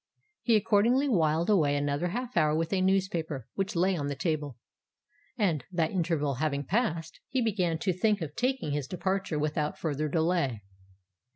He accordingly whiled away another half hour with a newspaper which lay on the table; and, that interval having passed, he began to think of taking his departure without farther delay.